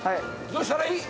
どうしたらいい？